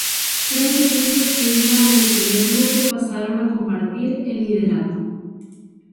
Tres ciclistas que iban en el primer grupo pasaron a compartir el liderato.